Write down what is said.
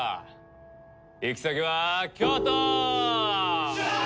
行き先は京都！